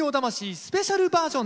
スペシャルバージョンで。